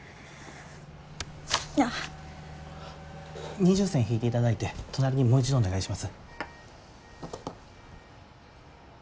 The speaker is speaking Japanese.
二重線引いていただいて隣にもう一度お願いします。